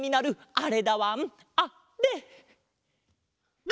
あれ？